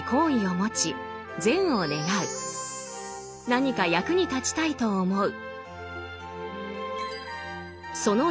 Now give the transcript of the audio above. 何か役に立ちたいと思う。